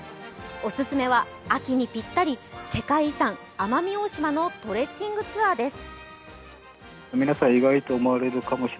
おすすめは、秋にぴったり世界遺産・奄美大島のトレッキングツアーです。